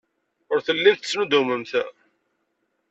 Ur tellimt tettnuddumemt.